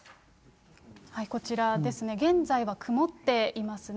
こちらですね、現在は曇っていますね。